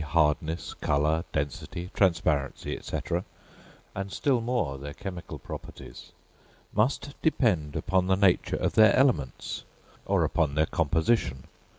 e. hardness, colour, density, transparency, &c., and still more their chemical properties, must depend upon the nature of their elements, or upon their composition.